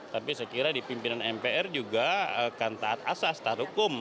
tapi saya kira di pimpinan mpr juga akan taat asas taat hukum